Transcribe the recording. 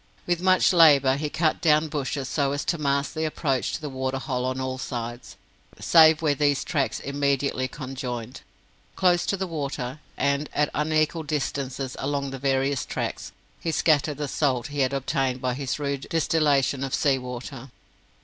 With much labour he cut down bushes, so as to mask the approach to the waterhole on all sides save where these tracks immediately conjoined. Close to the water, and at unequal distances along the various tracks, he scattered the salt he had obtained by his rude distillation of sea water.